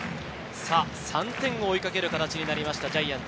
３点を追いかける形になりました、ジャイアンツ。